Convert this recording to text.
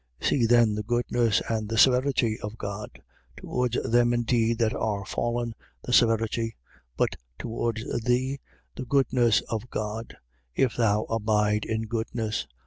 11:22. See then the goodness and the severity of God: towards them indeed that are fallen, the severity; but towards thee, the goodness of God, if thou abide in goodness.